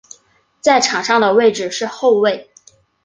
在场上的位置是后卫。